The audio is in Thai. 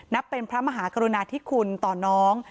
เป็นพระมหากรุณาธิคุณต่อน้อง